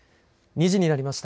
２時になりました。